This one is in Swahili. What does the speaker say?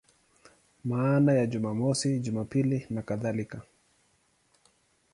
Maana ya Jumamosi, Jumapili nakadhalika.